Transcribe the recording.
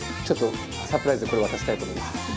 ちょっとサプライズでこれ渡したいと思います。